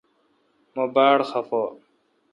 مہ باڑ خفہ۔